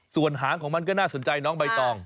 ส่วนหางของมันก็น่าสนใจน้องใบตอง